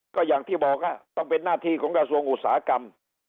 ก็อย่างที่บอกต้องเป็นหน้าที่ของกระทรวงอุตสาหกรรม